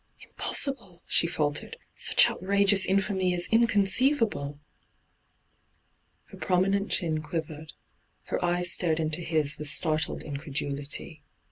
' Impossible f she faltered. ' Such out rageous infamy is inconceivable I' hyGoogIc igo ENTRAPPED Her prominent chin quivered. Her eyes stared into his with startled incredulity.